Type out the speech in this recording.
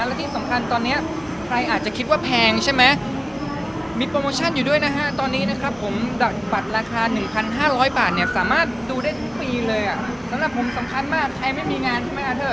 และที่สำคัญตอนนี้ใครอาจจะคิดว่าแพงใช่ไหมมีโปรโมชั่นอยู่ด้วยนะฮะตอนนี้นะครับผมบัตรราคา๑๕๐๐บาทเนี่ยสามารถดูได้ทุกปีเลยอ่ะสำหรับผมสำคัญมากใครไม่มีงานใช่ไหมเธอ